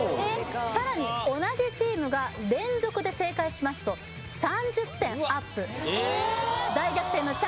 さらに同じチームが連続で正解しますと３０点アップ大逆転のチャンスです